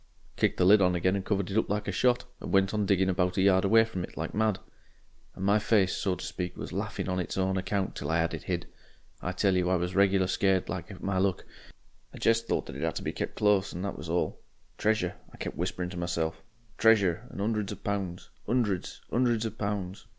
"Kicked the lid on again and covered it up like a shot, and went on digging about a yard away from it like mad. And my face, so to speak, was laughing on its own account till I had it hid. I tell you I was regular scared like at my luck. I jest thought that it 'ad to be kep' close and that was all. 'Treasure,' I kep' whisperin' to myself, 'Treasure' and ''undreds of pounds, 'undreds, 'undreds of pounds.'